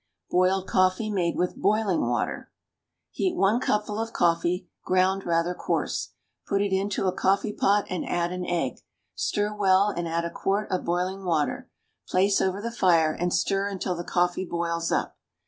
BOILED COFFEE MADE WITH BOILING WATER. Heat one cupful of coffee, ground rather coarse. Put it into a coffee pot, and add an egg. Stir well, and add a quart of boiling water. Place over the fire, and stir until the coffee boils up.